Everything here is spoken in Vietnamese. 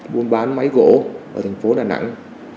buôn bán máy gỗ ở thành phố đà nẵng